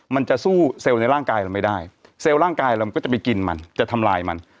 มันจะสู้เซลล์ในร่างกายเราไม่ได้เซลล์ร่างกายเราก็จะไปกินมันจะทำลายมัน